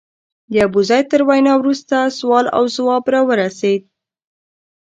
د ابوزید تر وینا وروسته سوال او ځواب راورسېد.